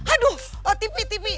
aduh tv tv